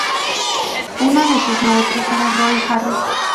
Uno de sus maestros era Roy Harris.